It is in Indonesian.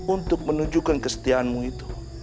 untuk menunjukkan kestiaanmu itu